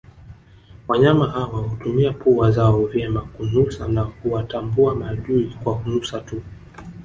Wanyama hawa hutumia pua zao vyema kunusa na huwatambua maadui kwa kunusa tuu